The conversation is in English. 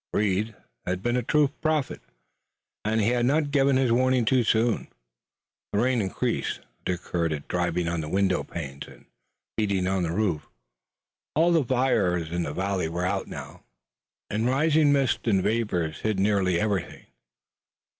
Reed had been a true prophet, and he had not given his warning too soon. The rain increased. Dick heard it driving on the window panes and beating on the roof. All the fires in the valley were out now, and rising mists and vapors hid nearly everything.